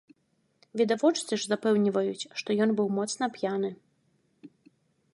Відавочцы ж запэўніваюць, што ён быў моцна п'яны.